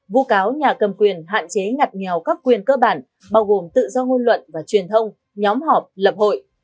vụ cáo nhà cầm quyền hạn chế ngặt nghèo các quyền cơ bản bao gồm tự do ngôn luận và truyền thông nhóm họp lập hội